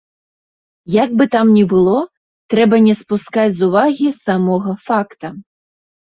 Як бы там ні было, трэба не спускаць з увагі самога факта.